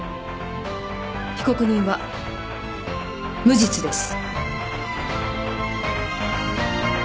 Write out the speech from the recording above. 被告人は無実です。